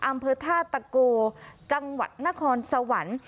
อำเภอท่าตะโกจังหวัดนครสวรรค์